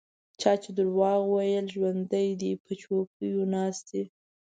چا چې دروغ ویل ژوندي دي په چوکیو ناست دي.